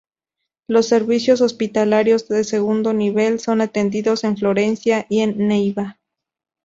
Los servicios hospitalarios de Segundo Nivel son atendidos en Florencia o en Neiva.